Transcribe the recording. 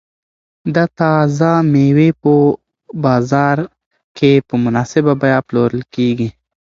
دا تازه مېوې په بازار کې په مناسبه بیه پلورل کیږي.